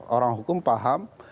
orang hukum paham